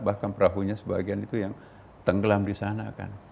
bahkan perahunya sebagian itu yang tenggelam di sana kan